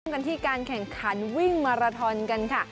กันที่การแข่งขันวิ่งมาราทอนกันค่ะ